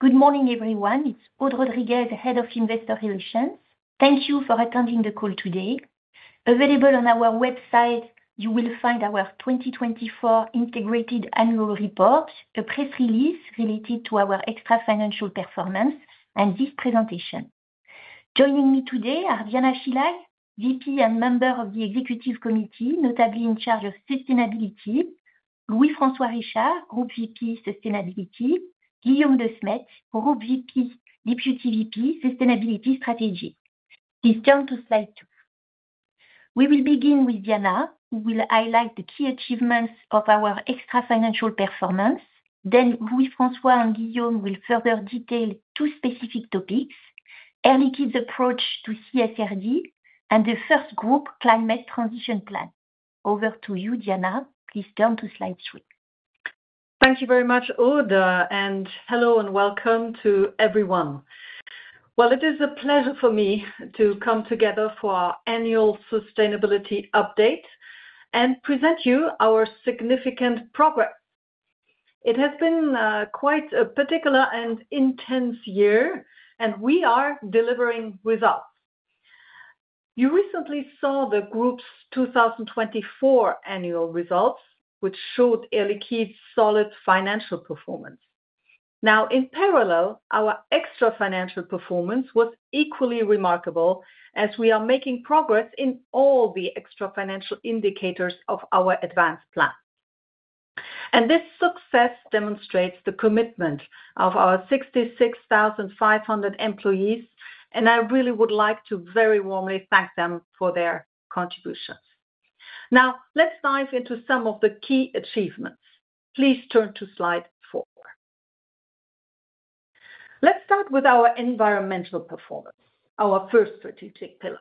Good morning, everyone. It's Aude Rodriguez, Head of Investor Relations. Thank you for attending the call today. Available on our website, you will find our 2024 integrated annual report, a press release related to our extra-financial performance, and this presentation. Joining me today are Diana Schillag, VP and Member of the Executive Committee, notably in charge of Sustainability; Louis-François Richard, Group VP Sustainability; Guillaume de Smedt, Group VP Deputy VP Sustainability Strategy. Please turn to slide two. We will begin with Diana, who will highlight the key achievements of our extra-financial performance. Louis-François and Guillaume will further detail two specific topics: Air Liquide's Approach to CSRD and the first Group Climate Transition Plan. Over to you, Diana. Please turn to slide three. Thank you very much, Aude, and hello and welcome to everyone. It is a pleasure for me to come together for our annual sustainability update and present you our significant progress. It has been quite a particular and intense year, and we are delivering results. You recently saw the Group's 2024 annual results, which showed Air Liquide's solid financial performance. Now, in parallel, our extra-financial performance was equally remarkable, as we are making progress in all the extra-financial indicators of our ADVANCE plan. This success demonstrates the commitment of our 66,500 employees, and I really would like to very warmly thank them for their contributions. Now, let's dive into some of the key achievements. Please turn to slide four. Let's start with our Environmental Performance, our first strategic pillar.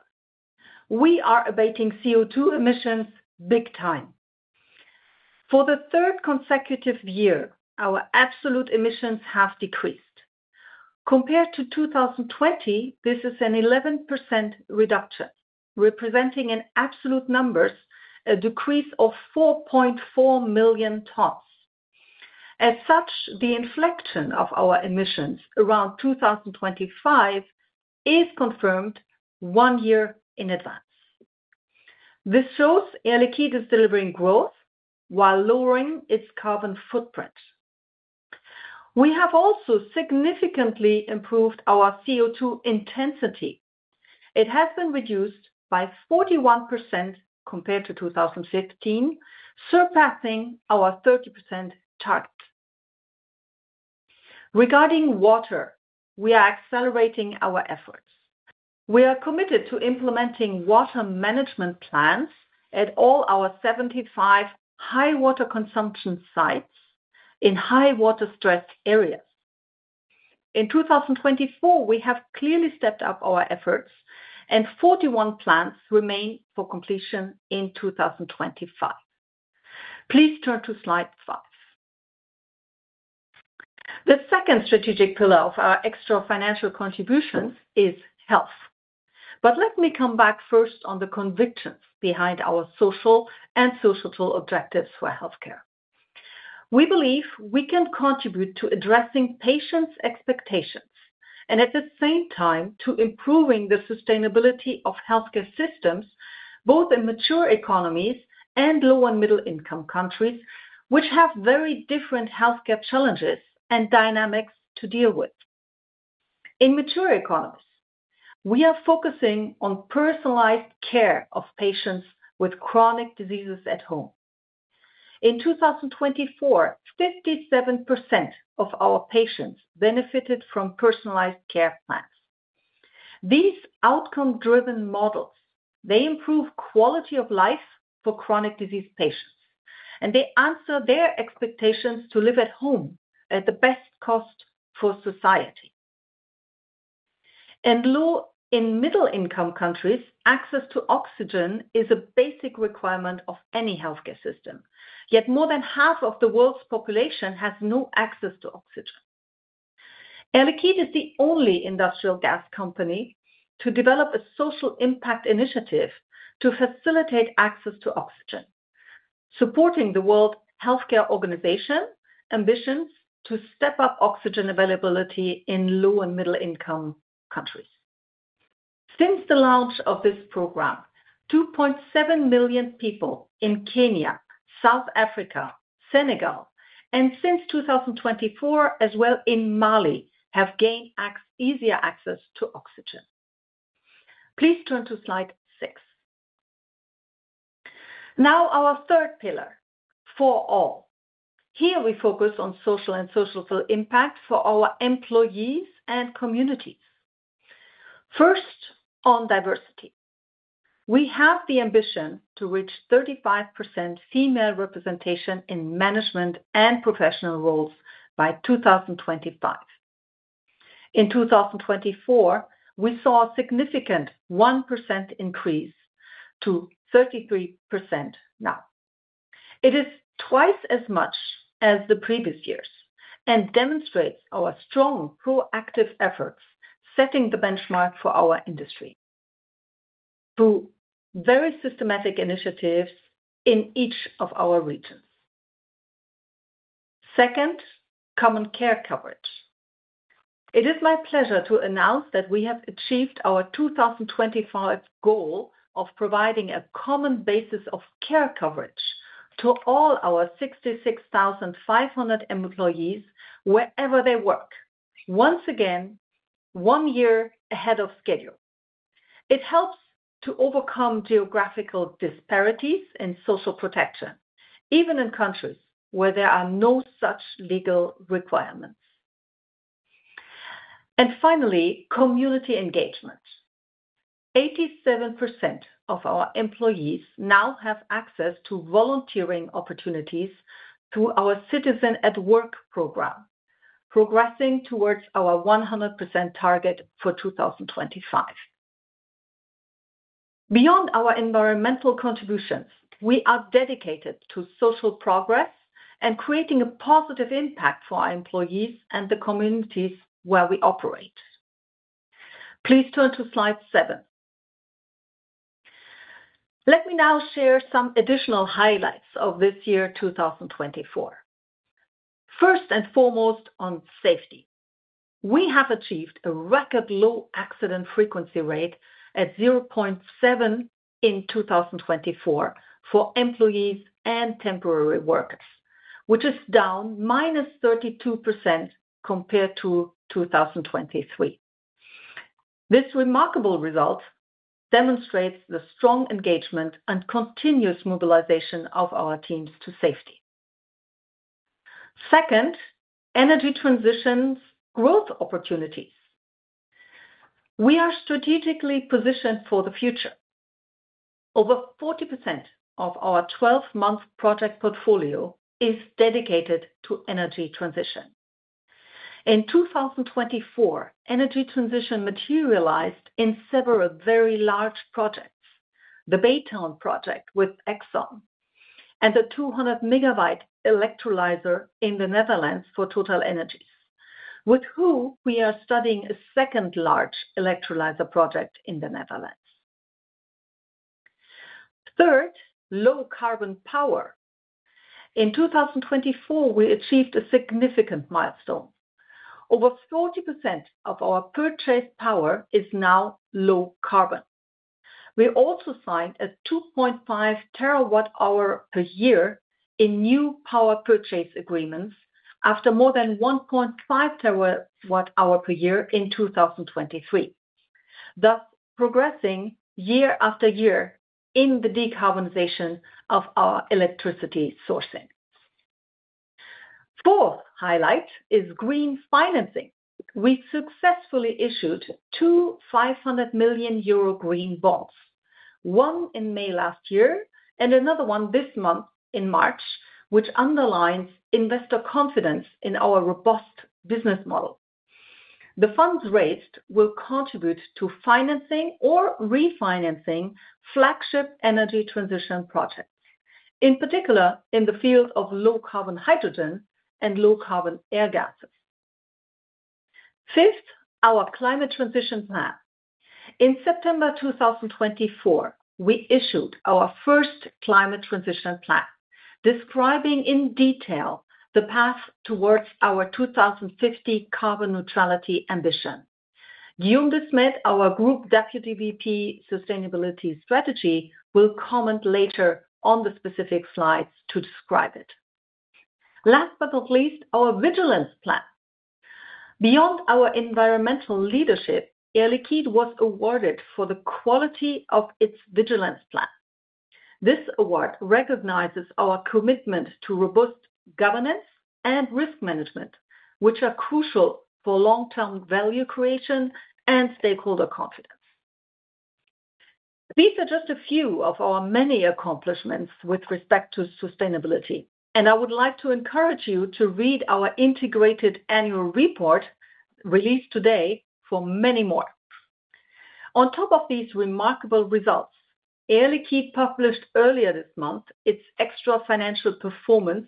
We are abating CO2 emissions big time. For the third consecutive year, our absolute emissions have decreased. Compared to 2020, this is an 11% reduction, representing in absolute numbers a decrease of 4.4 million tons. As such, the inflection of our emissions around 2025 is confirmed one year in advance. This shows Air Liquide is delivering growth while lowering its carbon footprint. We have also significantly improved our CO2 intensity. It has been reduced by 41% compared to 2015, surpassing our 30% target. Regarding water, we are accelerating our efforts. We are committed to implementing water management plans at all our 75 high-water consumption sites in high-water stressed areas. In 2024, we have clearly stepped up our efforts, and 41 plants remain for completion in 2025. Please turn to slide five. The second strategic pillar of our extra-financial contributions is Health. Let me come back first on the convictions behind our social and societal objectives for healthcare. We believe we can contribute to addressing patients' expectations and, at the same time, to improving the sustainability of healthcare systems both in mature economies and low and middle-income countries, which have very different healthcare challenges and dynamics to deal with. In mature economies, we are focusing on personalized care of patients with chronic diseases at home. In 2024, 57% of our patients benefited from personalized care plans. These outcome-driven models, they improve quality of life for chronic disease patients, and they answer their expectations to live at home at the best cost for society. In middle-income countries, access to oxygen is a basic requirement of any healthcare system, yet more than half of the world's population has no access to oxygen. Air Liquide is the only industrial gas company to develop a social impact initiative to facilitate access to oxygen, supporting the World Health Organization's ambitions to step up oxygen availability in low and middle-income countries. Since the launch of this program, 2.7 million people in Kenya, South Africa, Senegal, and since 2024 as well in Mali have gained easier access to oxygen. Please turn to slide six. Now, our third pillar, for all. Here we focus on Social and Societal Impact for our employees and communities. First, on Diversity. We have the ambition to reach 35% female representation in management and professional roles by 2025. In 2024, we saw a significant 1% increase to 33% now. It is twice as much as the previous years and demonstrates our strong proactive efforts setting the benchmark for our industry through very systematic initiatives in each of our regions. Second, Common Care Coverage. It is my pleasure to announce that we have achieved our 2025 goal of providing a common basis of care coverage to all our 66,500 employees wherever they work, once again, one year ahead of schedule. It helps to overcome geographical disparities in social protection, even in countries where there are no such legal requirements. Finally, Community Engagement. 87% of our employees now have access to volunteering opportunities through our Citizen at Work program, progressing towards our 100% target for 2025. Beyond our environmental contributions, we are dedicated to social progress and creating a positive impact for our employees and the communities where we operate. Please turn to slide seven. Let me now share some additional highlights of this year 2024. First and foremost, on safety. We have achieved a record low accident frequency rate at 0.7% in 2024 for employees and temporary workers, which is down -32% compared to 2023. This remarkable result demonstrates the strong engagement and continuous mobilization of our teams to safety. Second, energy transition's growth opportunities. We are strategically positioned for the future. Over 40% of our 12-month project portfolio is dedicated to energy transition. In 2024, energy transition materialized in several very large projects: the Baytown project with Exxon and the 200-megawatt electrolyzer in the Netherlands for TotalEnergies, with whom we are studying a second large electrolyzer project in the Netherlands. Third, Low Carbon Power. In 2024, we achieved a significant milestone. Over 40% of our purchased power is now low carbon. We also signed a 2.5 terawatt-hour per year in new power purchase agreements after more than 1.5 terawatt-hour per year in 2023, thus progressing year after year in the decarbonization of our electricity sourcing. Fourth highlight is Green Financing. We successfully issued two 500 million euro Green Bonds, one in May last year and another one this month in March, which underlines investor confidence in our robust business model. The funds raised will contribute to financing or refinancing flagship energy transition projects, in particular in the field of low carbon hydrogen and low carbon air gases. Fifth, our Climate Transition Plan. In September 2024, first Climate Transition Plan, describing in detail the path towards our 2050 carbon neutrality ambition. Guillaume de Smet, our Group Deputy VP Sustainability Strategy, will comment later on the specific slides to describe it. Last but not least, our Vigilance Plan. Beyond our environmental leadership, Air Liquide was awarded for the quality of its Vigilance Plan. This award recognizes our commitment to robust governance and risk management, which are crucial for long-term value creation and stakeholder confidence. These are just a few of our many accomplishments with respect to sustainability, and I would like to encourage you to read our Integrated Annual Report released today for many more. On top of these remarkable results, Air Liquide published earlier this month its extra-financial performance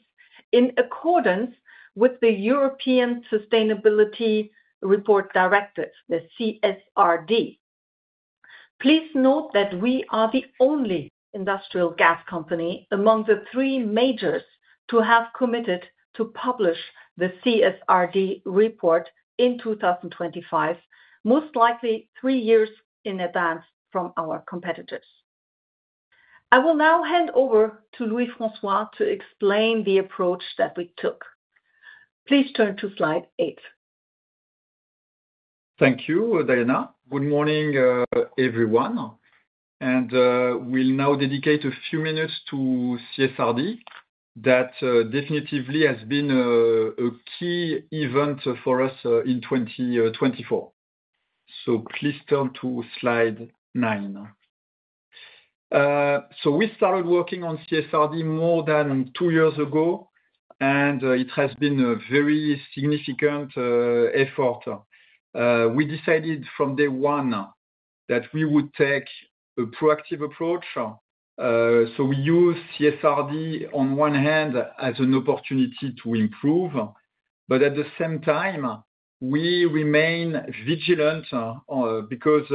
in accordance with the European Sustainability Reporting Directive, the CSRD. Please note that we are the only industrial gas company among the three majors to have committed to publish the CSRD report in 2025, most likely three years in advance from our competitors. I will now hand over to Louis-François to explain the approach that we took. Please turn to slide eight. Thank you, Diana. Good morning, everyone. We will now dedicate a few minutes to CSRD, that definitively has been a key event for us in 2024. Please turn to slide nine. We started working on CSRD more than two years ago, and it has been a very significant effort. We decided from day one that we would take a proactive approach. We use CSRD on one hand as an opportunity to improve, but at the same time, we remain vigilant because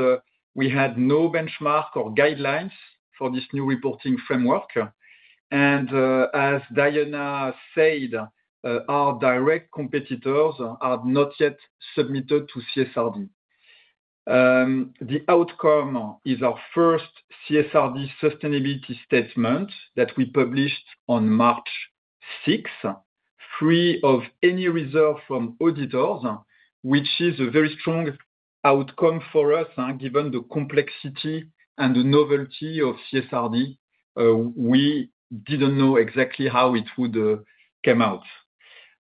we had no benchmark or guidelines for this new reporting framework. As Diana said, our direct competitors are not yet submitted to CSRD. The outcome is our first CSRD sustainability statement that we published on March 6, free of any reserve from auditors, which is a very strong outcome for us, given the complexity and the novelty of CSRD. We did not know exactly how it would come out.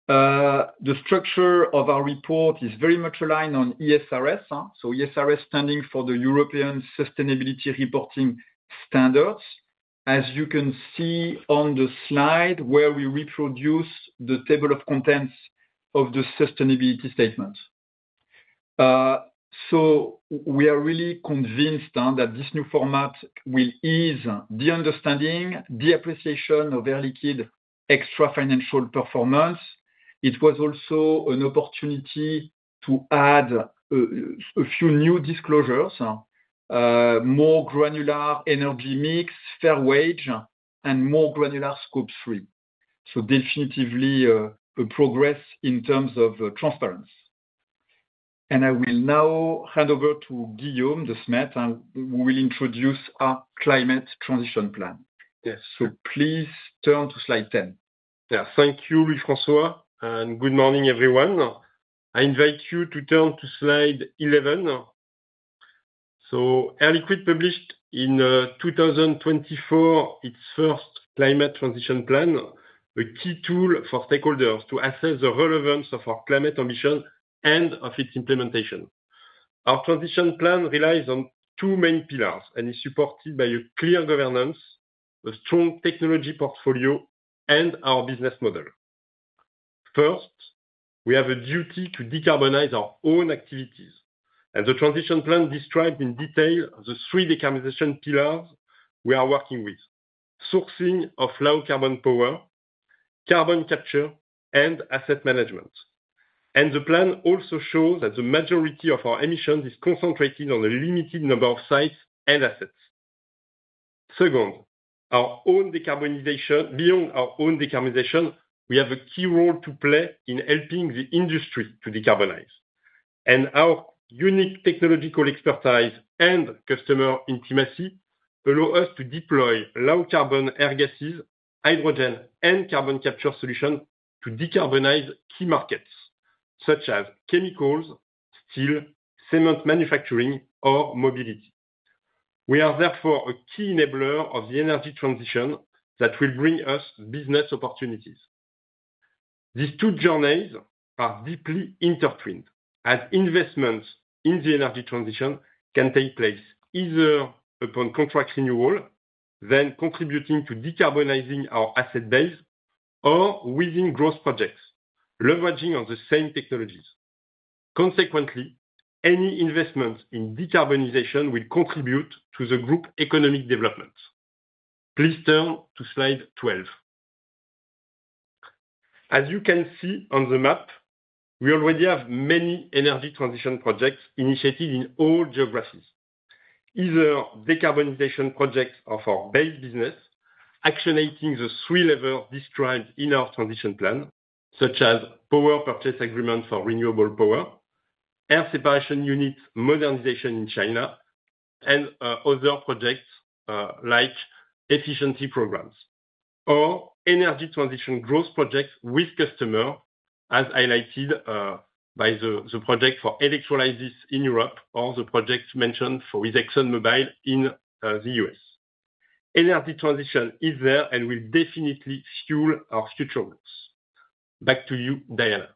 The structure of our report is very much aligned on ESRS, so ESRS standing for the European Sustainability Reporting Standards. As you can see on the slide where we reproduce the table of contents of the Sustainability Statement. We are really convinced that this new format will ease the understanding, the appreciation of Air Liquide's extra-financial performance. It was also an opportunity to add a few new disclosures: more granular energy mix, fair wage, and more granular Scope 3. Definitively a progress in terms of transparency. I will now hand over to Guillaume de Smet, and we will introduce our Climate Transition Plan. Please turn to slide 10. Yeah, thank you, Louis-François, and good morning, everyone. I invite you to turn to slide 11. Air Liquide published first Climate Transition Plan, a key tool for stakeholders to assess the relevance of our climate ambition and of its implementation. Our transition plan relies on two main pillars, and it is supported by a clear governance, a strong technology portfolio, and our business model. First, we have a duty to decarbonize our own activities. The transition plan describes in detail the three decarbonization pillars we are working with: sourcing of low carbon power, carbon capture, and asset management. The plan also shows that the majority of our emissions is concentrated on a limited number of sites and assets. Second, beyond our own decarbonization, we have a key role to play in helping the industry to decarbonize. Our unique technological expertise and customer intimacy allow us to deploy low carbon air gases, hydrogen, and carbon capture solutions to decarbonize key markets such as chemicals, steel, cement manufacturing, or mobility. We are therefore a key enabler of the energy transition that will bring us business opportunities. These two journeys are deeply intertwined as investments in the energy transition can take place either upon contract renewal, then contributing to decarbonizing our asset base, or within growth projects leveraging on the same technologies. Consequently, any investment in decarbonization will contribute to the Group economic development. Please turn to slide 12. As you can see on the map, we already have many energy transition projects initiated in all geographies. Either decarbonization projects of our base business, activating the three levers described in our transition plan, such as power purchase agreement for renewable power, air separation unit modernization in China, and other projects like efficiency programs, or energy transition growth projects with customers, as highlighted by the project for electrolysis in Europe or the project mentioned for with ExxonMobil in the U.S. Energy transition is there and will definitely fuel our future roots. Back to you, Diana.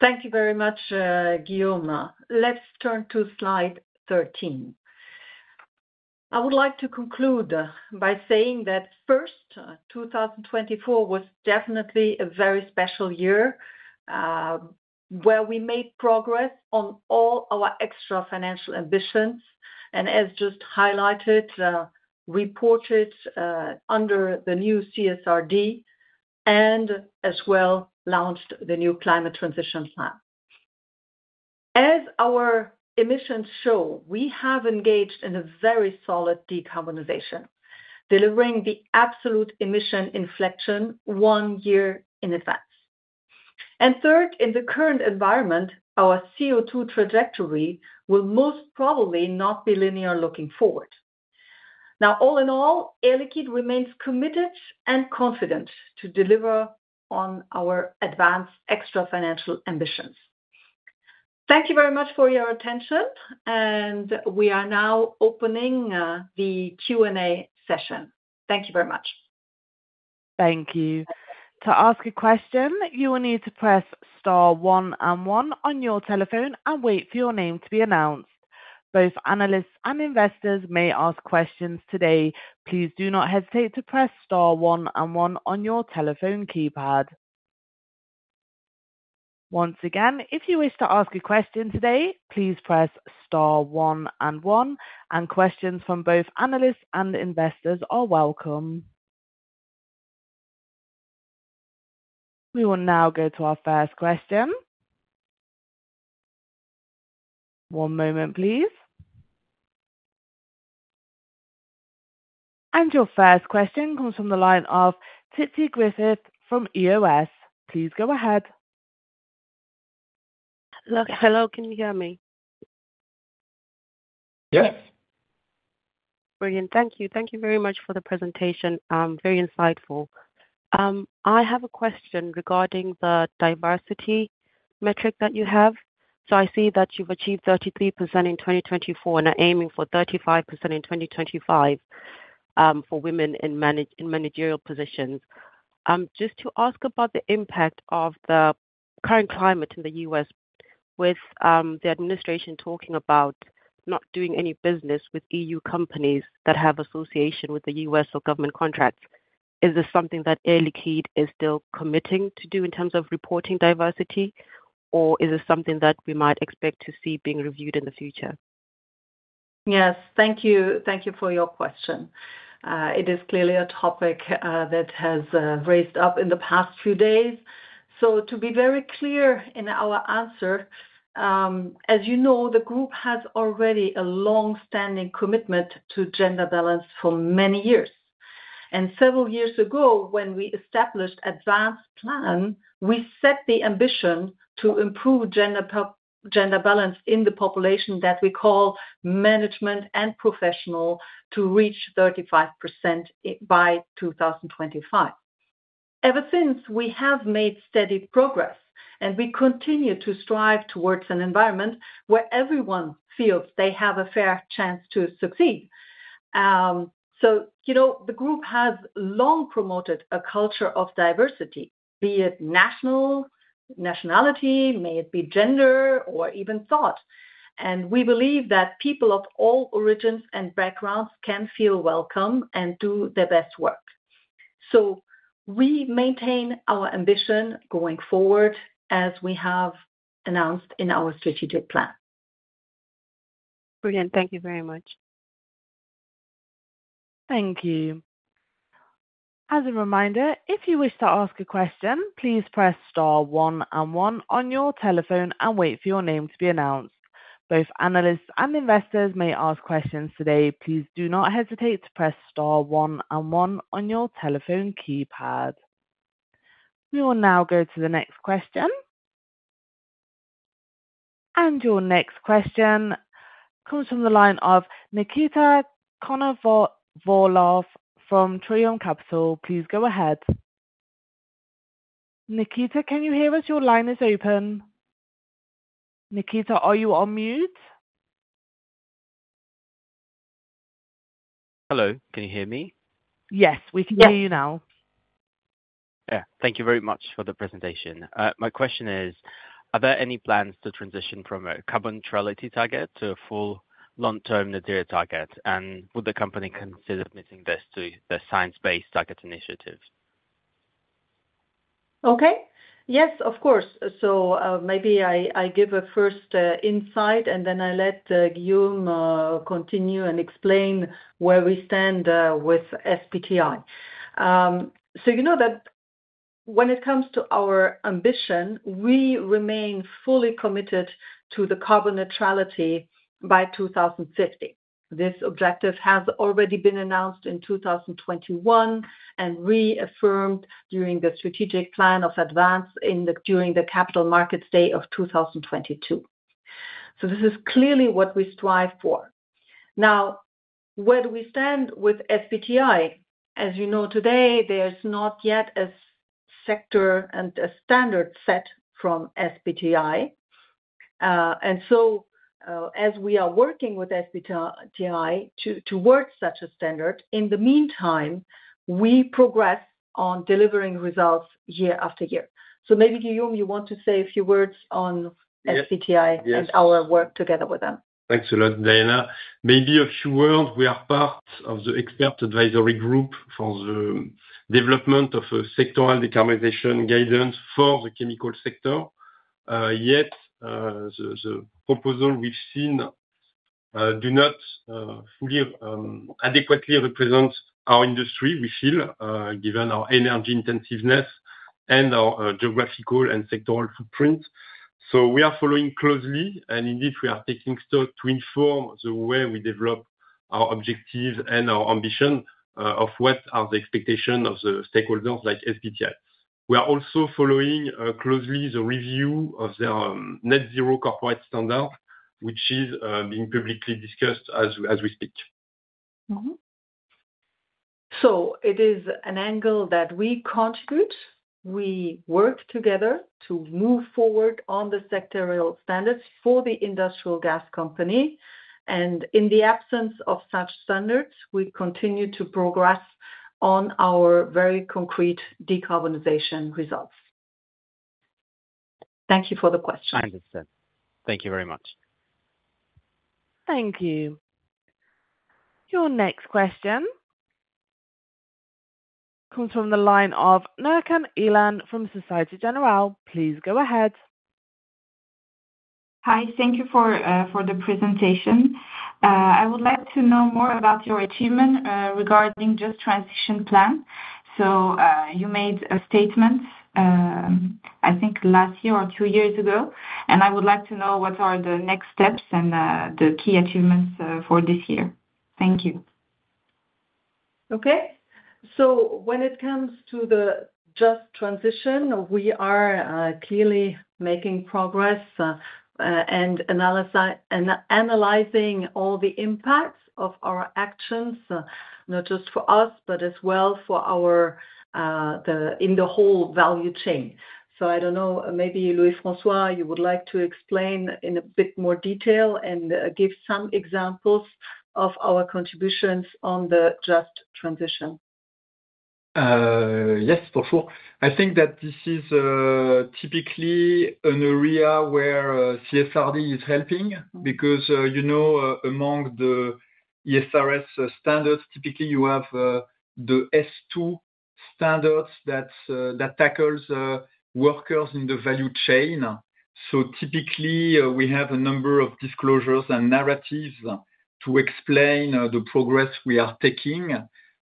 Thank you very much, Guillaume. Let's turn to slide 13. I would like to conclude by saying that first, 2024 was definitely a very special year where we made progress on all our extra-financial ambitions, and as just highlighted, reported under the new CSRD, and as well launched the new climate transition plan. As our emissions show, we have engaged in a very solid decarbonization, delivering the absolute emission inflection one year in advance. Third, in the current environment, our CO2 trajectory will most probably not be linear looking forward. Now, all in all, Air Liquide remains committed and confident to deliver on our advanced extra-financial ambitions. Thank you very much for your attention, and we are now opening the Q&A session. Thank you very much. Thank you. To ask a question, you will need to press star one and one on your telephone and wait for your name to be announced. Both analysts and investors may ask questions today. Please do not hesitate to press star one and one on your telephone keypad. Once again, if you wish to ask a question today, please press star one and one, and questions from both analysts and investors are welcome. We will now go to our first question. One moment, please. Your first question comes from the line of Tsitsi Griffith from EOS. Please go ahead. Hello, can you hear me? Yes. Brilliant. Thank you. Thank you very much for the presentation. Very insightful. I have a question regarding the diversity metric that you have. I see that you've achieved 33% in 2024 and are aiming for 35% in 2025 for women in managerial positions. Just to ask about the impact of the current climate in the U.S. with the administration talking about not doing any business with EU companies that have association with the U.S. or government contracts, is this something that Air Liquide is still committing to do in terms of reporting diversity, or is it something that we might expect to see being reviewed in the future? Yes, thank you. Thank you for your question. It is clearly a topic that has raised up in the past few days. To be very clear in our answer, as you know, the Group has already a long-standing commitment to gender balance for many years. Several years ago, when we established ADVANCE plan, we set the ambition to improve gender balance in the population that we call management and professional to reach 35% by 2025. Ever since, we have made steady progress, and we continue to strive towards an environment where everyone feels they have a fair chance to succeed. The Group has long promoted a culture of diversity, be it nationality, may it be gender, or even thought. We believe that people of all origins and backgrounds can feel welcome and do their best work. We maintain our ambition going forward as we have announced in our strategic plan. Brilliant. Thank you very much. Thank you. As a reminder, if you wish to ask a question, please press star one and one on your telephone and wait for your name to be announced. Both analysts and investors may ask questions today. Please do not hesitate to press star one and one on your telephone keypad. We will now go to the next question. Your next question comes from the line of Nikita Konovalov from Trium Capital. Please go ahead. Nikita, can you hear us? Your line is open. Nikita, are you on mute? Hello. Can you hear me? Yes, we can hear you now. Yeah. Thank you very much for the presentation. My question is, are there any plans to transition from a carbon neutrality target to a full long-term net zero target, and would the company consider submitting this to the Science Based Targets initiative? Okay. Yes, of course. Maybe I give a first insight, and then I let Guillaume continue and explain where we stand with SBTi. You know that when it comes to our ambition, we remain fully committed to the carbon neutrality by 2050. This objective has already been announced in 2021 and reaffirmed during the strategic plan of ADVANCE during the Capital Markets Day of 2022. This is clearly what we strive for. Now, where do we stand with SBTi? As you know, today, there is not yet a sector and a standard set from SBTi. As we are working with SBTi towards such a standard, in the meantime, we progress on delivering results year after year. Maybe, Guillaume, you want to say a few words on SBTi and our work together with them. Thanks a lot, Diana. Maybe a few words. We are part of the expert advisory group for the development of a sectoral decarbonization guidance for the chemical sector. Yet the proposal we have seen does not fully adequately represent our industry, we feel, given our energy intensiveness and our geographical and sectoral footprint. We are following closely, and indeed, we are taking stock to inform the way we develop our objectives and our ambition of what are the expectations of the stakeholders like SBTi. We are also following closely the review of their Net-Zero Corporate Standard, which is being publicly discussed as we speak. It is an angle that we contribute. We work together to move forward on the sectoral standards for the industrial gas company. In the absence of such standards, we continue to progress on our very concrete decarbonization results. Thank you for the question. I understand. Thank you very much. Thank you. Your next question comes from the line of Nurcan Ilhan from Societe Generale. Please go ahead. Hi. Thank you for the presentation. I would like to know more about your achievement regarding just transition plan. You made a statement, I think, last year or two years ago, and I would like to know what are the next steps and the key achievements for this year. Thank you. Okay. When it comes to the just transition, we are clearly making progress and analyzing all the impacts of our actions, not just for us, but as well for the whole value chain. I do not know, maybe Louis-François, you would like to explain in a bit more detail and give some examples of our contributions on the just transition. Yes, bonjour. I think that this is typically an area where CSRD is helping because among the ESRS standards, typically you have the S2 standards that tackle workers in the value chain. Typically, we have a number of disclosures and narratives to explain the progress we are taking.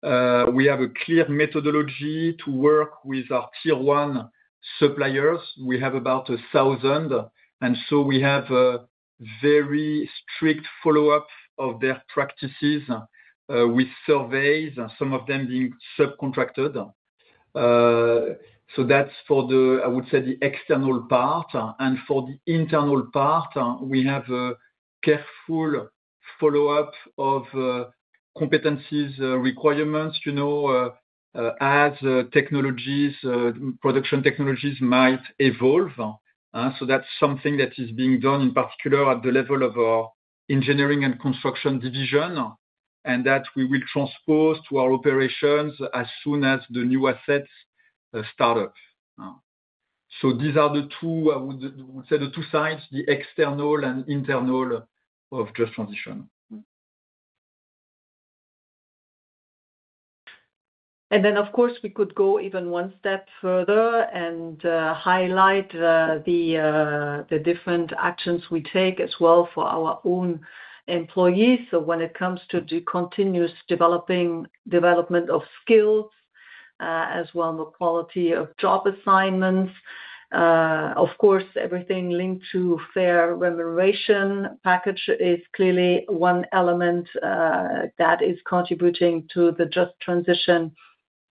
We have a clear methodology to work with our tier one suppliers. We have about 1,000. We have a very strict follow-up of their practices with surveys, some of them being subcontracted. That is for the, I would say, the external part. For the internal part, we have a careful follow-up of competencies, requirements, as production technologies might evolve. That is something that is being done in particular at the level of our Engineering and Construction division, and that we will transpose to our operations as soon as the new assets start up. These are the two, I would say, the two sides, the external and internal of just transition. Of course, we could go even one step further and highlight the different actions we take as well for our own employees. When it comes to the continuous development of skills, as well the quality of job assignments, of course, everything linked to fair remuneration package is clearly one element that is contributing to the just transition,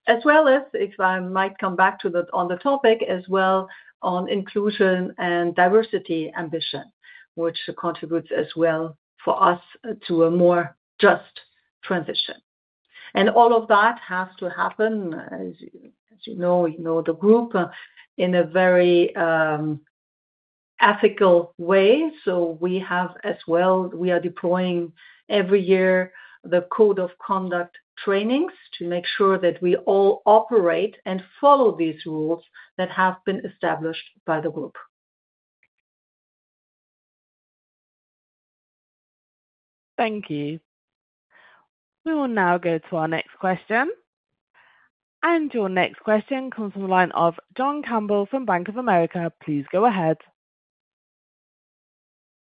as well as, if I might come back to the topic, as well on inclusion and diversity ambition, which contributes as well for us to a more just transition. All of that has to happen, as you know, the group in a very ethical way. We have as well, we are deploying every year the code of conduct trainings to make sure that we all operate and follow these rules that have been established by the group. Thank you. We will now go to our next question. Your next question comes from the line of John Campbell from Bank of America. Please go ahead.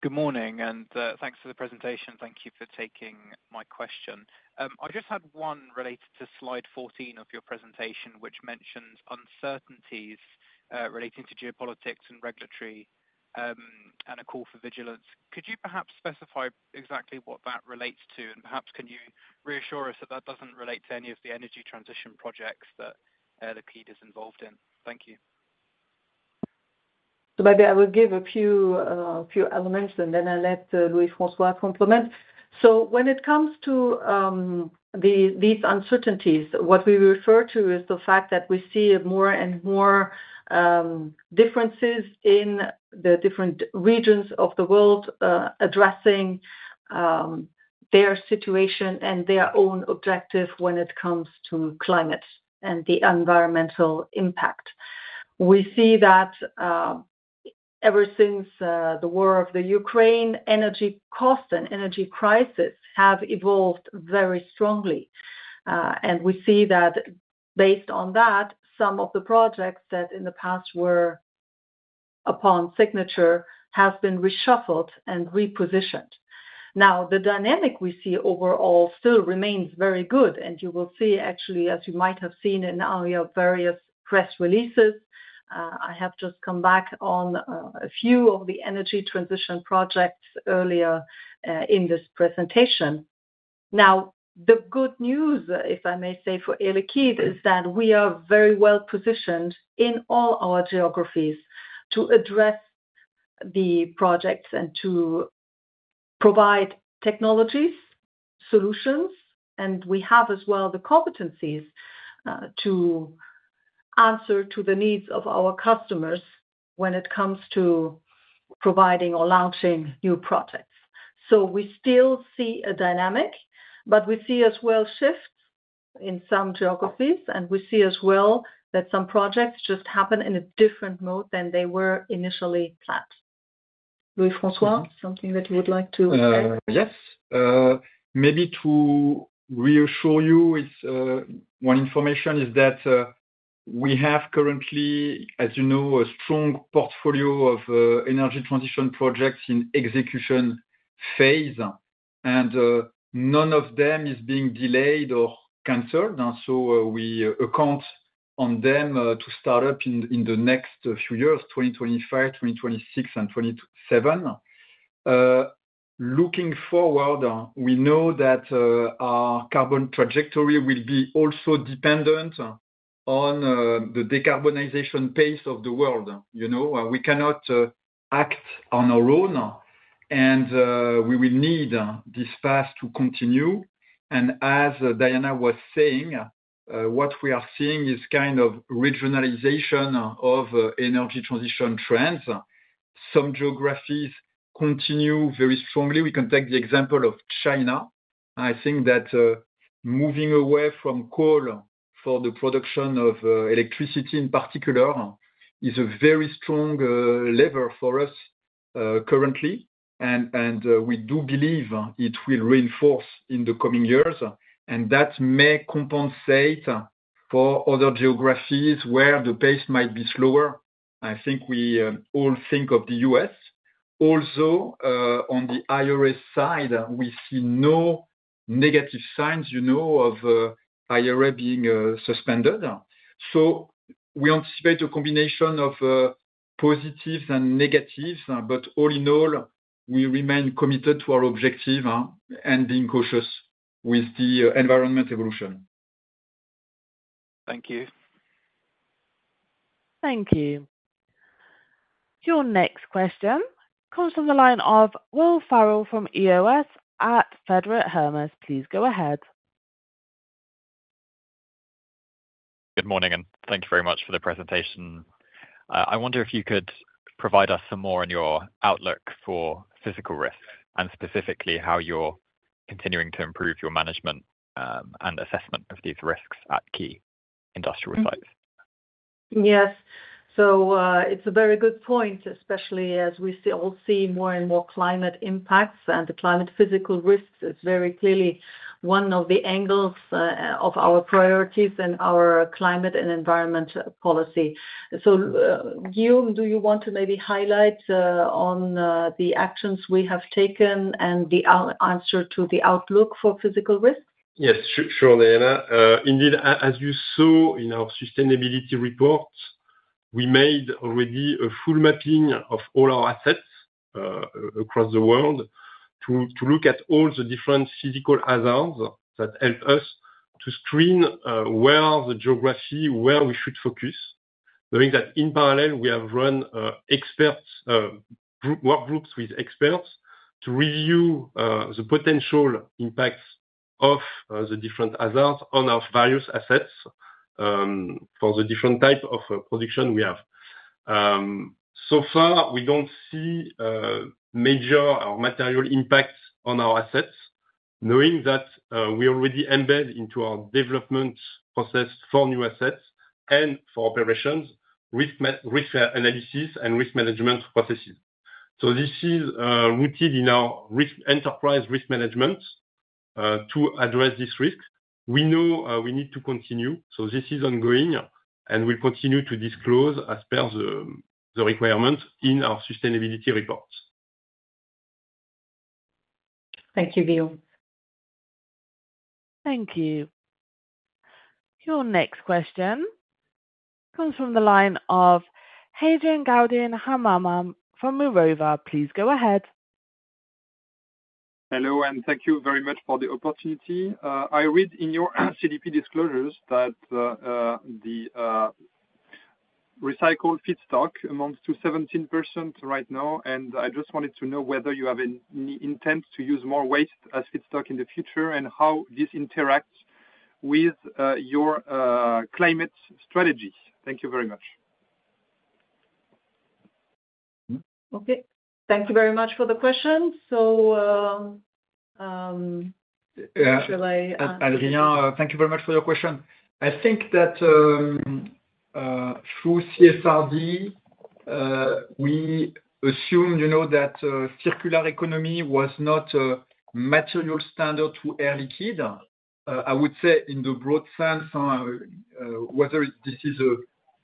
Good morning, and thanks for the presentation. Thank you for taking my question. I just had one related to slide 14 of your presentation, which mentions uncertainties relating to geopolitics and regulatory and a call for vigilance. Could you perhaps specify exactly what that relates to? Perhaps can you reassure us that that doesn't relate to any of the energy transition projects that Air Liquide is involved in? Thank you. Maybe I will give a few elements, and then I'll let Louis-François complement. When it comes to these uncertainties, what we refer to is the fact that we see more and more differences in the different regions of the world addressing their situation and their own objective when it comes to climate and the environmental impact. We see that ever since the war of the Ukraine, energy costs and energy crises have evolved very strongly. We see that based on that, some of the projects that in the past were upon signature have been reshuffled and repositioned. Now, the dynamic we see overall still remains very good. You will see, actually, as you might have seen in our various press releases, I have just come back on a few of the energy transition projects earlier in this presentation. Now, the good news, if I may say, for Air Liquide is that we are very well positioned in all our geographies to address the projects and to provide technologies, solutions, and we have as well the competencies to answer to the needs of our customers when it comes to providing or launching new projects. We still see a dynamic, but we see as well shifts in some geographies, and we see as well that some projects just happen in a different mode than they were initially planned. Louis-François, something that you would like to add? Yes. Maybe to reassure you, one information is that we have currently, as you know, a strong portfolio of energy transition projects in execution phase, and none of them is being delayed or canceled. We account on them to start up in the next few years, 2025, 2026, and 2027. Looking forward, we know that our carbon trajectory will be also dependent on the decarbonization pace of the world. We cannot act on our own, and we will need this path to continue. As Diana was saying, what we are seeing is kind of regionalization of energy transition trends. Some geographies continue very strongly. We can take the example of China. I think that moving away from coal for the production of electricity in particular is a very strong lever for us currently, and we do believe it will reinforce in the coming years, and that may compensate for other geographies where the pace might be slower. I think we all think of the U.S. Also, on the IRA side, we see no negative signs of IRA being suspended. We anticipate a combination of positives and negatives, but all in all, we remain committed to our objective and being cautious with the environment evolution. Thank you. Thank you. Your next question comes from the line of Will Farrell from EOS at Federated Hermes. Please go ahead. Good morning, and thank you very much for the presentation. I wonder if you could provide us some more on your outlook for physical risks and specifically how you're continuing to improve your management and assessment of these risks at key industrial sites. Yes. It is a very good point, especially as we all see more and more climate impacts, and the climate physical risks is very clearly one of the angles of our priorities and our climate and environment policy. Guillaume, do you want to maybe highlight on the actions we have taken and the answer to the outlook for physical risks? Yes, sure, Diana. Indeed, as you saw in our sustainability report, we made already a full mapping of all our assets across the world to look at all the different physical hazards that help us to screen where the geography, where we should focus. Knowing that in parallel, we have run expert work groups with experts to review the potential impacts of the different hazards on our various assets for the different type of production we have. So far, we do not see major material impacts on our assets, knowing that we already embed into our development process for new assets and for operations, risk analysis, and risk management processes. This is rooted in our enterprise risk management to address this risk. We know we need to continue. This is ongoing, and we will continue to disclose as per the requirements in our sustainability reports. Thank you, Guillaume. Thank you. Your next question comes from the line of Hadrien Gaudin-Hamama from Mirova. Please go ahead. Hello, and thank you very much for the opportunity. I read in your CDP disclosures that the recycled feedstock amounts to 17% right now, and I just wanted to know whether you have any intent to use more waste as feedstock in the future and how this interacts with your climate strategy. Thank you very much. Okay. Thank you very much for the question. Shall I? Hadrien, thank you very much for your question. I think that through CSRD, we assume that circular economy was not a material standard to Air Liquide. I would say in the broad sense, whether this is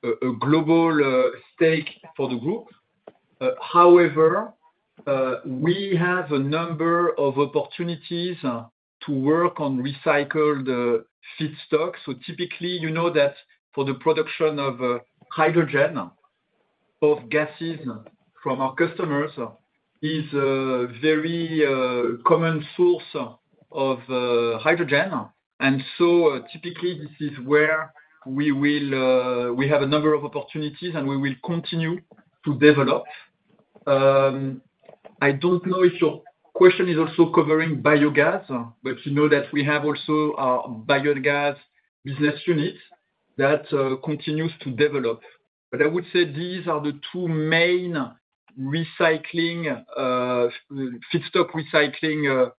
a global stake for the group. However, we have a number of opportunities to work on recycled feedstock. Typically, you know that for the production of hydrogen, both gases from our customers is a very common source of hydrogen. Typically, this is where we have a number of opportunities, and we will continue to develop. I don't know if your question is also covering biogas, but you know that we have also our biogas business unit that continues to develop. I would say these are the two main feedstock recycling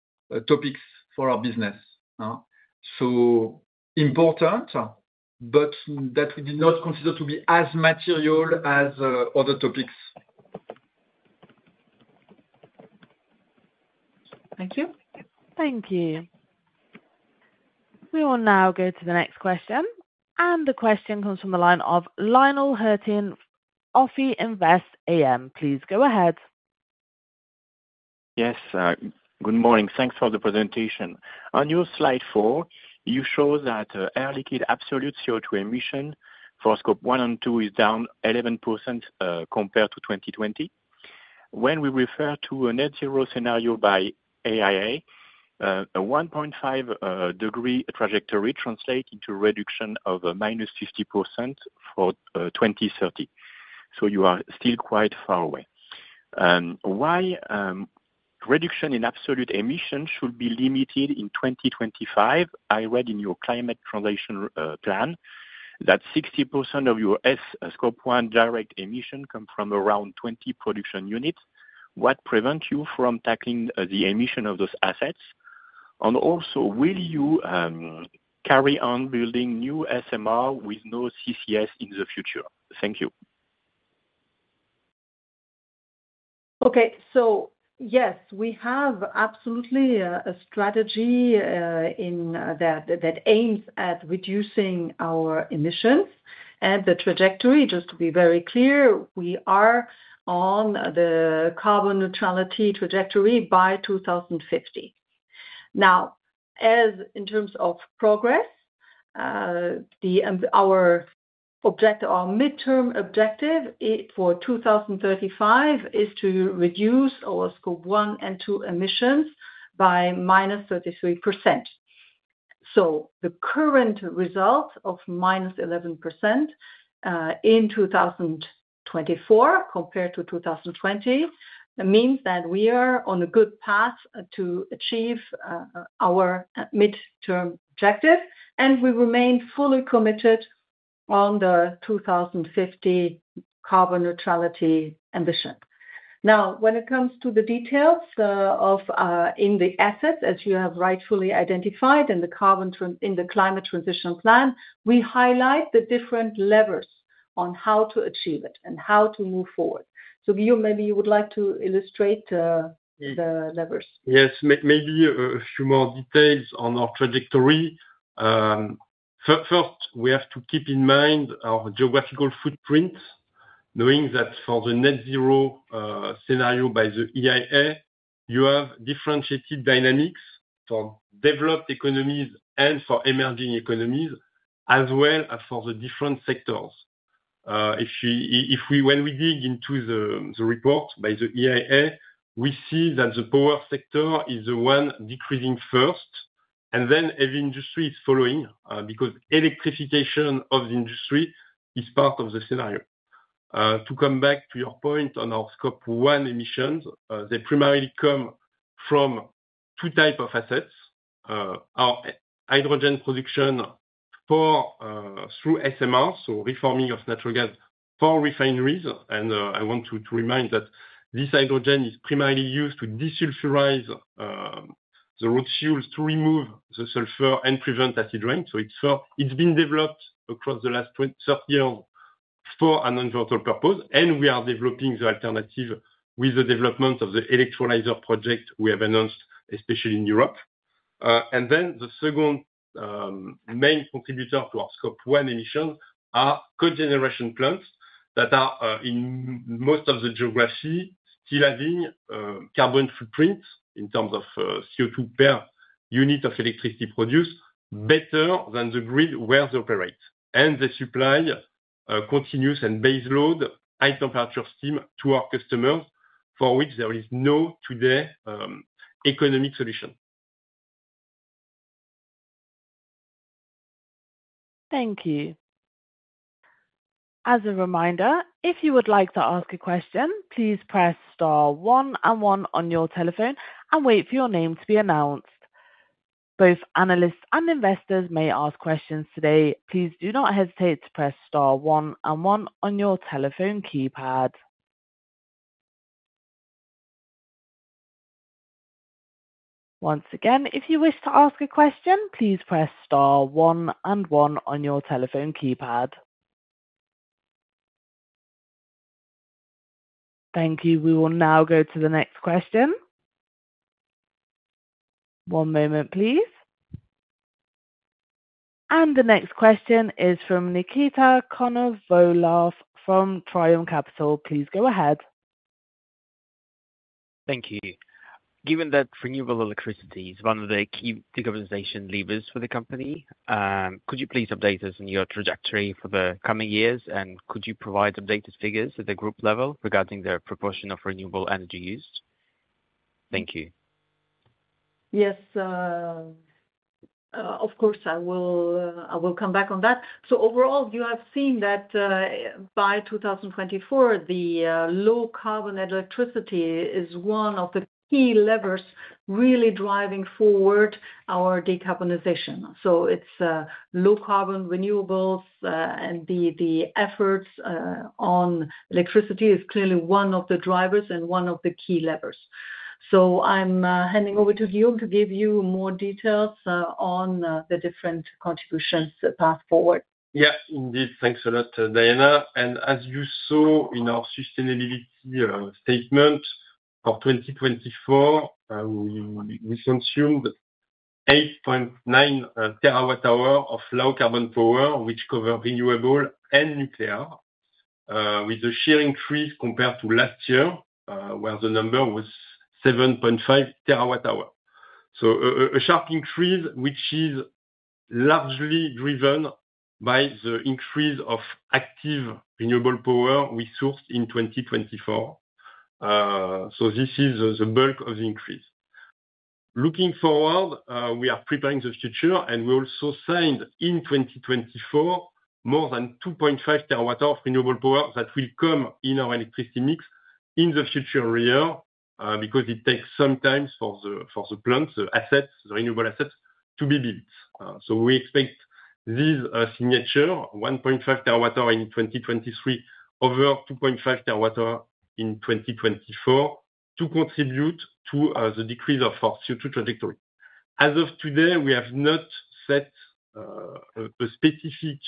topics for our business. Important, but that we did not consider to be as material as other topics. Thank you. Thank you. We will now go to the next question. The question comes from the line of Lionel Heurtin, Ofi Invest AM. Please go ahead. Yes. Good morning. Thanks for the presentation. On your slide four, you show that Air Liquide absolute CO2 emission for Scope 1 and 2 is down 11% compared to 2020. When we refer to a Net-Zero scenario by IEA, a 1.5-degree trajectory translates into a reduction of minus 50% for 2030. You are still quite far away. Why reduction in absolute emissions should be limited in 2025? I read in your climate transition plan that 60% of your Scope 1 direct emissions come from around 20 production units. What prevents you from tackling the emission of those assets? Also, will you carry on building new SMR with no CCS in the future? Thank you. Okay. Yes, we have absolutely a strategy that aims at reducing our emissions. The trajectory, just to be very clear, we are on the carbon neutrality trajectory by 2050. Now, in terms of progress, our midterm objective for 2035 is to reduce our Scope 1 and 2 emissions by minus 33%. The current result of minus 11% in 2024 compared to 2020 means that we are on a good path to achieve our midterm objective, and we remain fully committed on the 2050 carbon neutrality ambition. Now, when it comes to the details in the assets, as you have rightfully identified in the climate transition plan, we highlight the different levers on how to achieve it and how to move forward. Guillaume, maybe you would like to illustrate the levers. Yes. Maybe a few more details on our trajectory. First, we have to keep in mind our geographical footprint, knowing that for the Net Zero scenario by the IEA, you have differentiated dynamics for developed economies and for emerging economies, as well as for the different sectors. When we dig into the report by the IEA, we see that the power sector is the one decreasing first, and then heavy industry is following because electrification of the industry is part of the scenario. To come back to your point on our Scope 1 emissions, they primarily come from two types of assets: our hydrogen production through SMRs, so reforming of natural gas for refineries. I want to remind that this hydrogen is primarily used to desulfurize the road fuels, to remove the sulfur and prevent acid rain. It has been developed across the last 30 years for an on-purpose, and we are developing the alternative with the development of the electrolyzer project we have announced, especially in Europe. The second main contributor to our Scope 1 emissions are cogeneration plants that are, in most of the geography, still having carbon footprints in terms of CO2 per unit of electricity produced better than the grid where they operate. They supply continuous and baseload high-temperature steam to our customers, for which there is no today economic solution. Thank you. As a reminder, if you would like to ask a question, please press star one and one on your telephone and wait for your name to be announced. Both analysts and investors may ask questions today. Please do not hesitate to press star one and one on your telephone keypad. Once again, if you wish to ask a question, please press star one and one on your telephone keypad. Thank you. We will now go to the next question. One moment, please. The next question is from Nikita Konovalov from Trium Capital. Please go ahead. Thank you. Given that renewable electricity is one of the key decarbonization levers for the company, could you please update us on your trajectory for the coming years, and could you provide updated figures at the group level regarding the proportion of renewable energy used? Thank you. Yes. Of course, I will come back on that. Overall, you have seen that by 2024, the low carbon electricity is one of the key levers really driving forward our decarbonization. It is low carbon renewables, and the efforts on electricity is clearly one of the drivers and one of the key levers. I am handing over to Guillaume to give you more details on the different contributions to path forward. Yeah, indeed. Thanks a lot, Diana. As you saw in our Sustainability Statement for 2024, we consumed 8.9 terawatt-hours of low carbon power, which covered renewable and nuclear, with a sheer increase compared to last year, where the number was 7.5 terawatt-hours. A sharp increase, which is largely driven by the increase of active renewable power we sourced in 2024. This is the bulk of the increase. Looking forward, we are preparing the future, and we also signed in 2024 more than 2.5 terawatt-hours of renewable power that will come in our electricity mix in the future year because it takes some time for the plants, the renewable assets to be built. We expect this signature, 1.5 terawatt-hours in 2023, over 2.5 terawatt-hours in 2024, to contribute to the decrease of our CO2 trajectory. As of today, we have not set a specific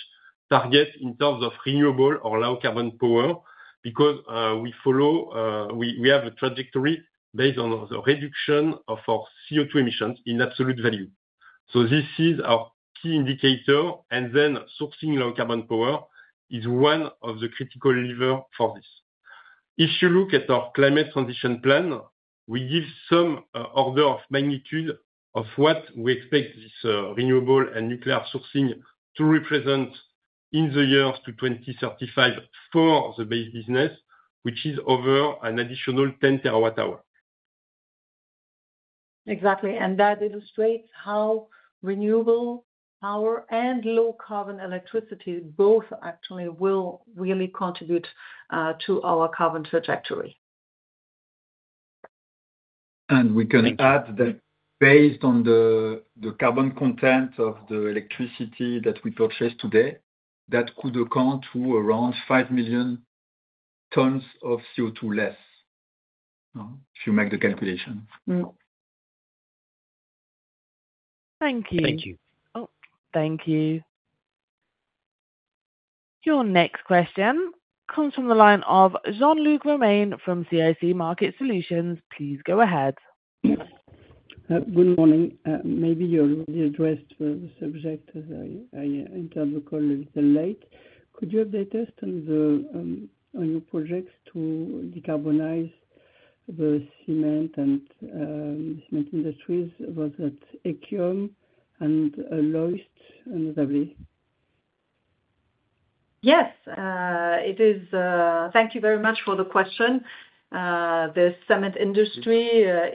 target in terms of renewable or low carbon power because we have a trajectory based on the reduction of our CO2 emissions in absolute value. This is our key indicator, and then sourcing low carbon power is one of the critical levers for this. If you look at our Climate Transition Plan, we give some order of magnitude of what we expect this renewable and nuclear sourcing to represent in the year to 2035 for the base business, which is over an additional 10 terawatt-hours. Exactly. That illustrates how renewable power and low carbon electricity both actually will really contribute to our carbon trajectory. We can add that based on the carbon content of the electricity that we purchase today, that could account for around 5 million tons of CO2 less if you make the calculation. Thank you. Thank you. Oh, thank you. Your next question comes from the line of Jean-Luc Romain from CIC Market Solutions. Please go ahead. Good morning. Maybe you already addressed the subject as I intervened a little late. Could you update us on your projects to decarbonize the cement industries? Was that Aude Rodriguez and Louis-François Richard? Yes. Thank you very much for the question. The cement industry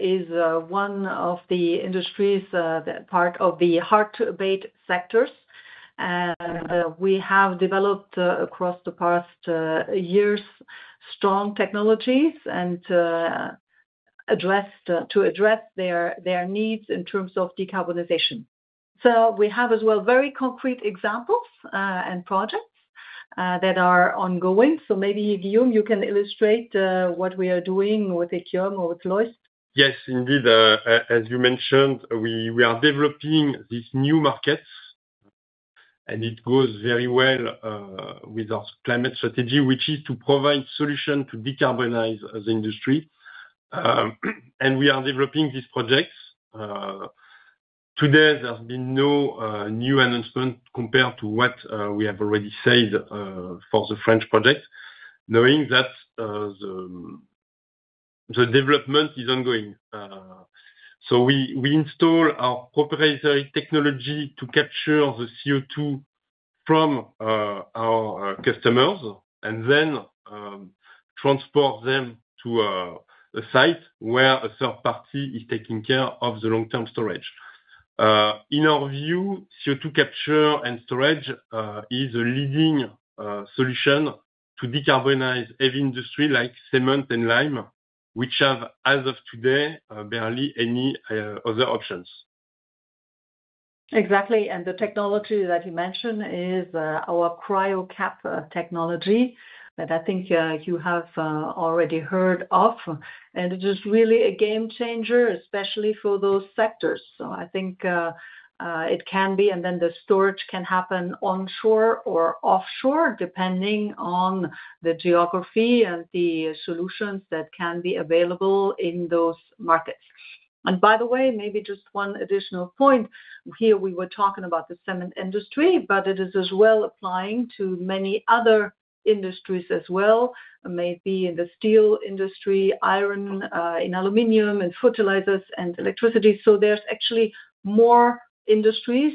is one of the industries that are part of the hard-to-abate sectors. We have developed across the past years strong technologies to address their needs in terms of decarbonization. We have as well very concrete examples and projects that are ongoing. Maybe, Guillaume, you can illustrate what we are doing with Eqiom or with Lhoist. Yes, indeed. As you mentioned, we are developing this new market, and it goes very well with our climate strategy, which is to provide solutions to decarbonize the industry. We are developing these projects. Today, there has been no new announcement compared to what we have already said for the French project, knowing that the development is ongoing. We install our proprietary technology to capture the CO2 from our customers and then transport them to a site where a third party is taking care of the long-term storage. In our view, CO2 capture and storage is a leading solution to decarbonize heavy industry like cement and lime, which have, as of today, barely any other options. Exactly. The technology that you mentioned is our CryoCap technology that I think you have already heard of. It is really a game changer, especially for those sectors. I think it can be, and then the storage can happen onshore or offshore, depending on the geography and the solutions that can be available in those markets. By the way, maybe just one additional point here, we were talking about the cement industry, but it is as well applying to many other industries as well, maybe in the steel industry, iron, aluminum, and fertilizers and electricity. There are actually more industries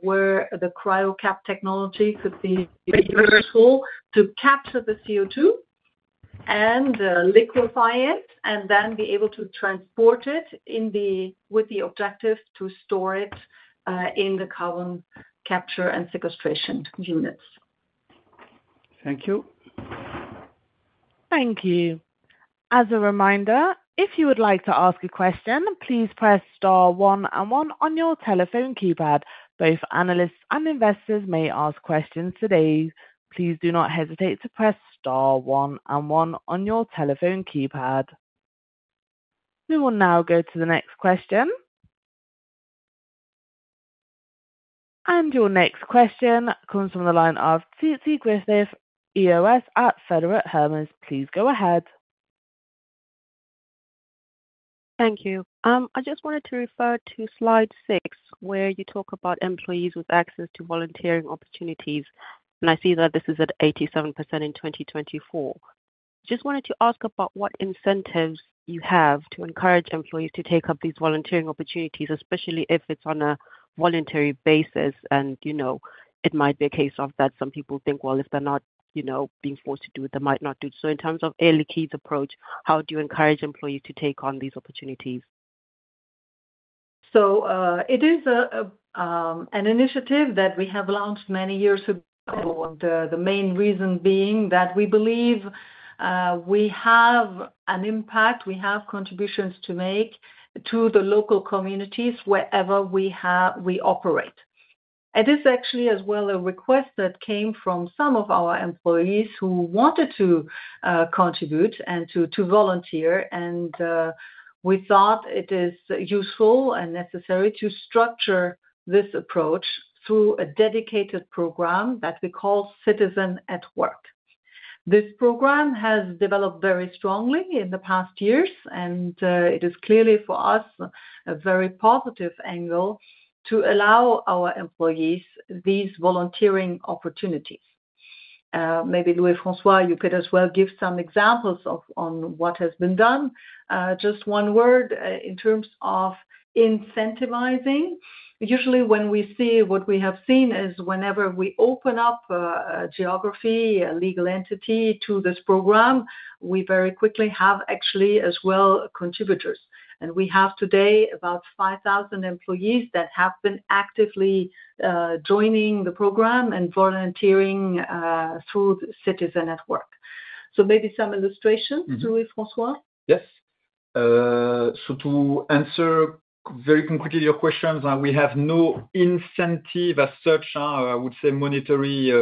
where the CryoCap technology could be useful to capture the CO2 and liquefy it and then be able to transport it with the objective to store it in the carbon capture and sequestration units. Thank you. Thank you. As a reminder, if you would like to ask a question, please press star one and one on your telephone keypad. Both analysts and investors may ask questions today. Please do not hesitate to press star one and one on your telephone keypad. We will now go to the next question. Your next question comes from the line of Tsitsi Griffith, EOS at Federated Hermes. Please go ahead. Thank you. I just wanted to refer to slide six, where you talk about employees with access to volunteering opportunities. I see that this is at 87% in 2024. I just wanted to ask about what incentives you have to encourage employees to take up these volunteering opportunities, especially if it's on a voluntary basis. It might be a case that some people think, well, if they're not being forced to do it, they might not do it. In terms of Air Liquide's approach, how do you encourage employees to take on these opportunities? It is an initiative that we have launched many years ago, the main reason being that we believe we have an impact, we have contributions to make to the local communities wherever we operate. It is actually as well a request that came from some of our employees who wanted to contribute and to volunteer. We thought it is useful and necessary to structure this approach through a dedicated program that we call Citizen at Work. This program has developed very strongly in the past years, and it is clearly for us a very positive angle to allow our employees these volunteering opportunities. Maybe Louis-François, you could as well give some examples on what has been done. Just one word in terms of incentivizing. Usually, when we see what we have seen is whenever we open up a geography, a legal entity to this program, we very quickly have actually as well contributors. We have today about 5,000 employees that have been actively joining the program and volunteering through Citizen at Work. Maybe some illustrations, Louis-François? Yes. To answer very concretely your question, we have no incentive as such, I would say monetary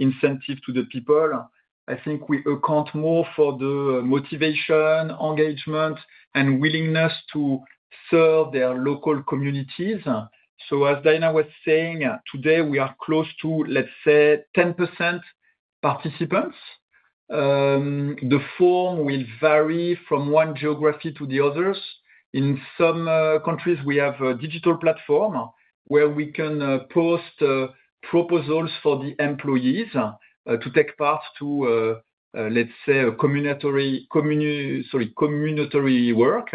incentive to the people. I think we account more for the motivation, engagement, and willingness to serve their local communities. As Diana was saying, today we are close to, let's say, 10% participants. The form will vary from one geography to the others. In some countries, we have a digital platform where we can post proposals for the employees to take part to, let's say, community work.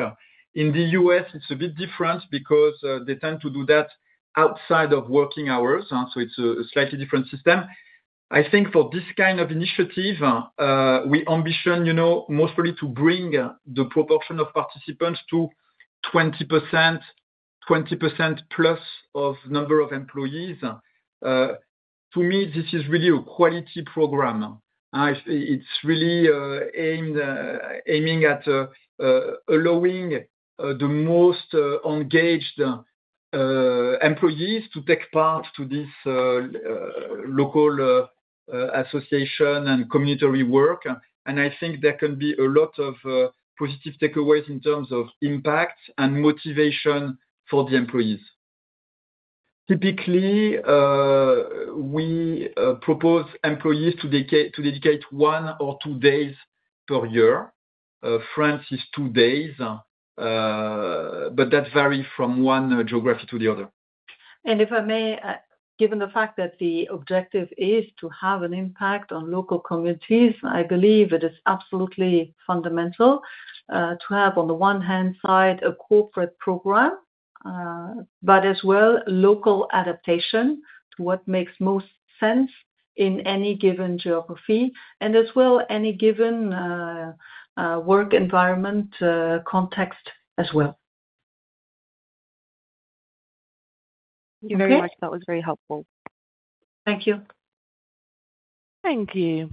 In the U.S., it is a bit different because they tend to do that outside of working hours. It is a slightly different system. I think for this kind of initiative, we ambition mostly to bring the proportion of participants to 20%, 20% plus of number of employees. To me, this is really a quality program. It's really aiming at allowing the most engaged employees to take part to this local association and community work. I think there can be a lot of positive takeaways in terms of impact and motivation for the employees. Typically, we propose employees to dedicate one or two days per year. France is two days, but that varies from one geography to the other. If I may, given the fact that the objective is to have an impact on local communities, I believe it is absolutely fundamental to have on the one hand side a corporate program, but as well local adaptation to what makes most sense in any given geography, and as well any given work environment context as well. Thank you very much. That was very helpful. Thank you. Thank you.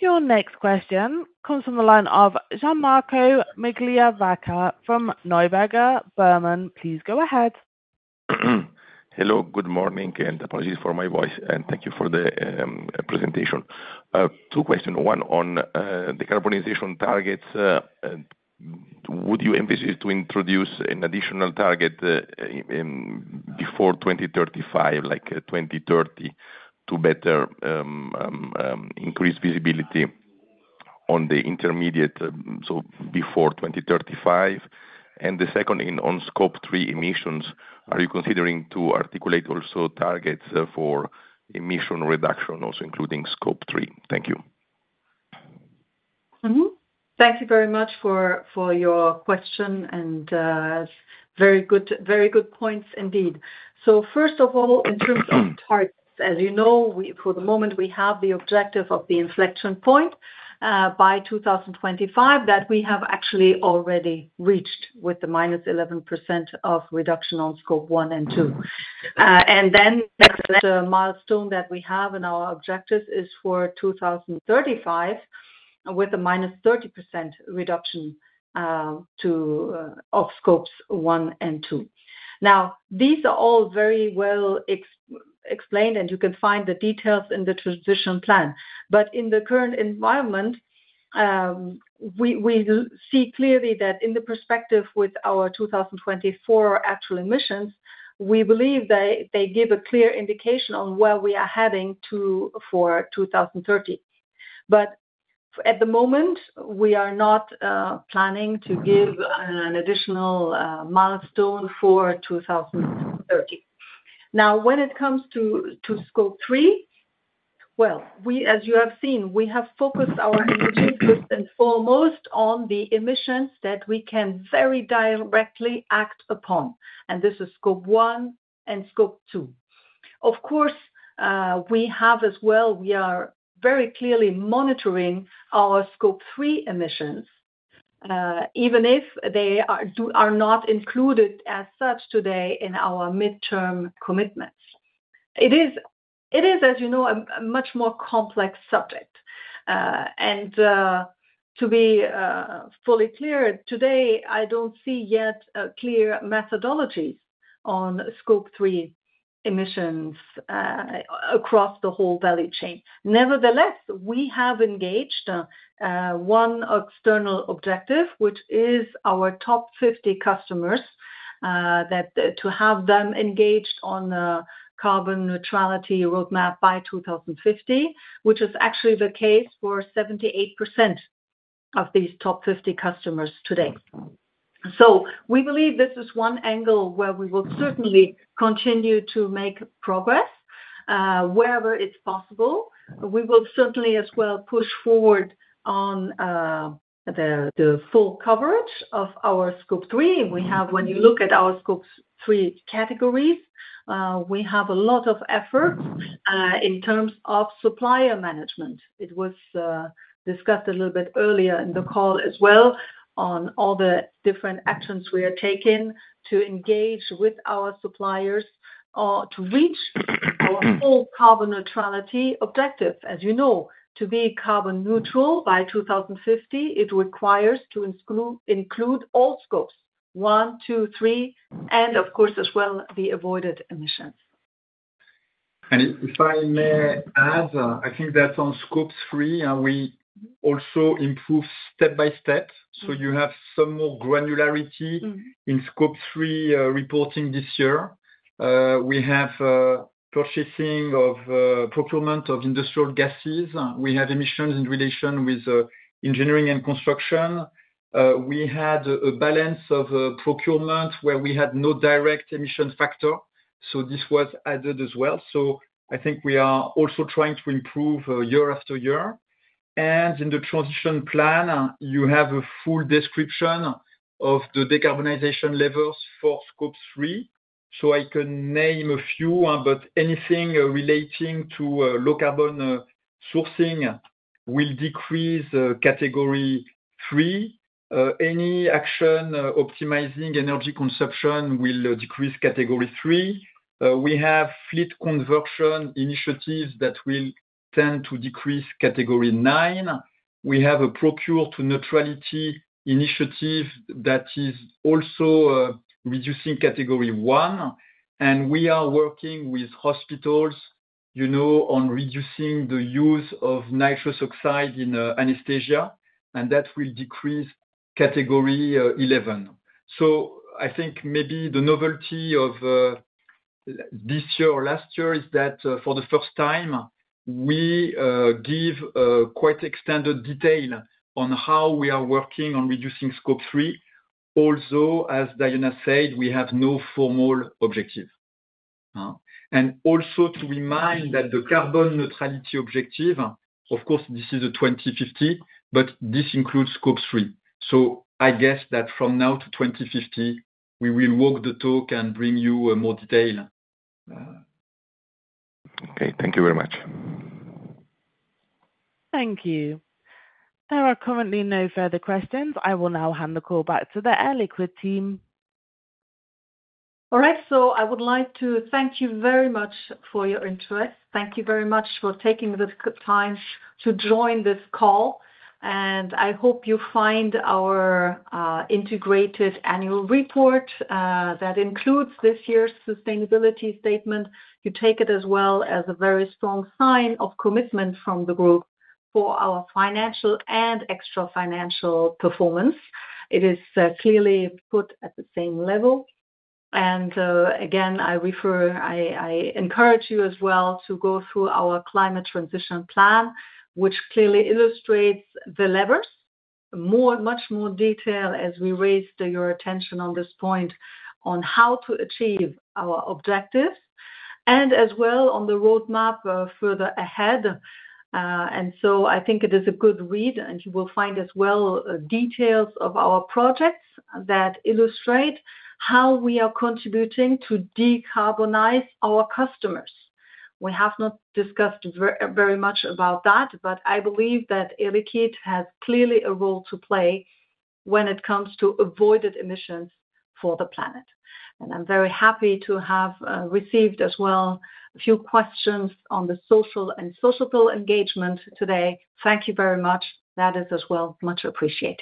Your next question comes from the line of Gianmarco Migliavacca. Please go ahead. Hello, good morning, and apologies for my voice, and thank you for the presentation. Two questions. One on decarbonization targets. Would you envisage to introduce an additional target before 2035, like 2030, to better increase visibility on the intermediate, so before 2035? The second on Scope 3 emissions, are you considering to articulate also targets for emission reduction, also including Scope 3? Thank you. Thank you very much for your question, and very good points indeed. First of all, in terms of targets, as you know, for the moment, we have the objective of the inflection point by 2025 that we have actually already reached with the -11% of reduction on Scope 1 and 2. The next milestone that we have in our objectives is for 2035 with a -30% reduction of Scopes 1 and 2. These are all very well explained, and you can find the details in the transition plan. In the current environment, we see clearly that in the perspective with our 2024 actual emissions, we believe they give a clear indication on where we are heading for 2030. At the moment, we are not planning to give an additional milestone for 2030. Now, when it comes to Scope 3, as you have seen, we have focused our energies first and foremost on the emissions that we can very directly act upon. This is Scope 1 and Scope 2. Of course, we have as well, we are very clearly monitoring our Scope 3 emissions, even if they are not included as such today in our midterm commitments. It is, as you know, a much more complex subject. To be fully clear, today, I do not see yet clear methodologies on Scope 3 emissions across the whole value chain. Nevertheless, we have engaged one external objective, which is our top 50 customers, to have them engaged on a carbon neutrality roadmap by 2050, which is actually the case for 78% of these top 50 customers today. We believe this is one angle where we will certainly continue to make progress wherever it's possible. We will certainly as well push forward on the full coverage of our Scope 3. When you look at our Scope 3 categories, we have a lot of efforts in terms of supplier management. It was discussed a little bit earlier in the call as well on all the different actions we are taking to engage with our suppliers to reach our full carbon neutrality objective. As you know, to be carbon neutral by 2050, it requires to include all Scopes, 1, 2, 3, and of course, as well, the avoided emissions. If I may add, I think that on Scope 3, we also improve step by step. You have some more granularity in Scope 3 reporting this year. We have purchasing of procurement of industrial gases. We have emissions in relation with engineering and construction. We had a balance of procurement where we had no direct emission factor. This was added as well. I think we are also trying to improve year-after-year. In the transition plan, you have a full description of the decarbonization levels for Scope 3. I can name a few, but anything relating to low carbon sourcing will decrease Category 3. Any action optimizing energy consumption will decrease Category 3. We have fleet conversion initiatives that will tend to decrease Category 9. We have a Procure to Neutrality initiative that is also reducing Category 1. We are working with hospitals on reducing the use of nitrous oxide in anesthesia, and that will Category 11. i think maybe the novelty of this year or last year is that for the first time, we give quite extended detail on how we are working on reducing Scope 3. Also, as Diana said, we have no formal objective. Also, to remind that the carbon neutrality objective, of course, this is 2050, but this includes Scope 3. I guess that from now to 2050, we will walk the talk and bring you more detail. Okay. Thank you very much. Thank you. There are currently no further questions. I will now hand the call back to the Air Liquide team. All right. I would like to thank you very much for your interest. Thank you very much for taking the time to join this call. I hope you find our Integrated Annual Report that includes this year's Sustainability Statement. You take it as well as a very strong sign of commitment from the group for our financial and extra-financial performance. It is clearly put at the same level. I encourage you as well to go through our Climate Transition Plan, which clearly illustrates the levers in much more detail as we raise your attention on this point on how to achieve our objectives and as well on the roadmap further ahead. I think it is a good read, and you will find as well details of our projects that illustrate how we are contributing to decarbonize our customers. We have not discussed very much about that, but I believe that Air Liquide has clearly a role to play when it comes to avoided emissions for the planet. I am very happy to have received as well a few questions on the social and societal engagement today. Thank you very much. That is as well much appreciated.